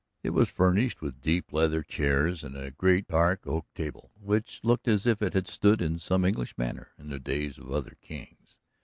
It was furnished with deep leather chairs and a great, dark oak table, which looked as if it had stood in some English manor in the days of other kings.